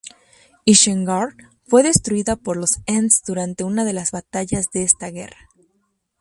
Isengard fue destruida por los ents durante una de las batallas de esta guerra.